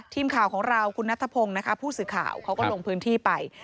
ทีมข่าวของเราคุณนัทธพงศ์นะคะผู้สื่อข่าวเขาก็ลงพื้นที่ไป